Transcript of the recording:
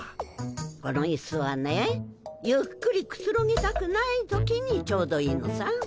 このイスはねゆっくりくつろぎたくない時にちょうどいいのさ。